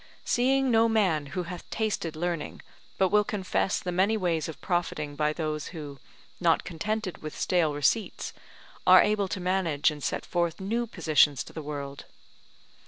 seeing no man who hath tasted learning, but will confess the many ways of profiting by those who, not contented with stale receipts, are able to manage and set forth new positions to the world.